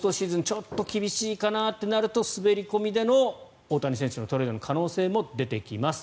ちょっと厳しいかなとなると滑り込みでの大谷選手のトレードの可能性も出てきます。